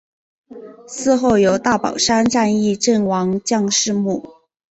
祠后有大宝山战役阵亡将士墓。